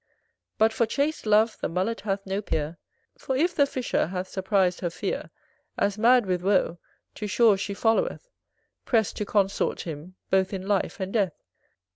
But for chaste love the Mullet hath no peer; For, if the fisher hath surpris'd her pheer As mad with wo, to shore she followeth Prest to consort him, both in life and death.